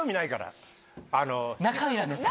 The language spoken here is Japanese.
中身なんですか？